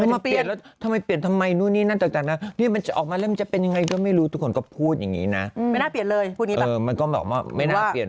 ไม่น่าเปลี่ยนเลยพูดงี้ปะ